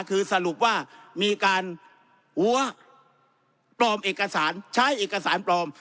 คือสรุปว่ามีการหัวปลอมเอกสารใช้เอกสารปลอม